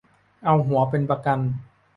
เอาหัวเป็นประกัน